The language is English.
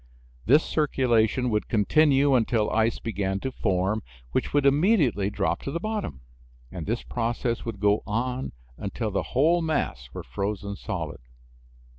This circulation would continue until ice began to form, which would immediately drop to the bottom, and this process would go on until the whole mass were frozen solid.